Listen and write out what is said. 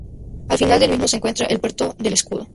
Al final del mismo se encuentra el puerto del Escudo.